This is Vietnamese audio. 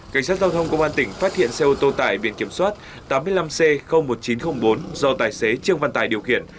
cảnh sát giao thông công an tỉnh phát hiện xe ô tô tải biển kiểm soát tám mươi năm c một nghìn chín trăm linh bốn do tài xế trương văn tài điều khiển